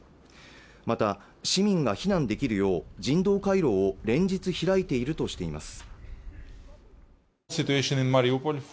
また市民が避難できるよう人道回廊を連日開いているとしています